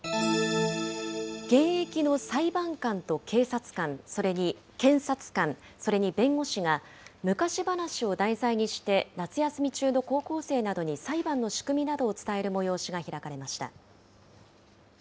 現役の裁判官と警察官、それに検察官、それに弁護士が、昔話を題材にして、夏休み中の高校生などに裁判の仕組みなどを伝える催しが開かれました。